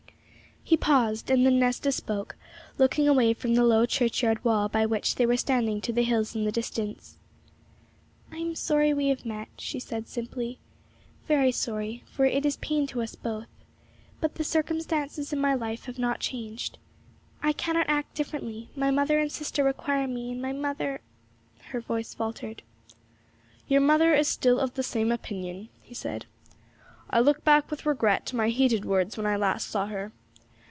He paused, and then Nesta spoke, looking away from the low churchyard wall by which they were standing to the hills in the distance. 'I am sorry we have met,' she said simply, 'very sorry, for it is pain to us both; but the circumstances in my life have not changed; I cannot act differently; my mother and sister require me, and my mother ' Her voice faltered. 'Your mother is still of the same opinion,' he said. 'I look back with regret to my heated words when last I saw her.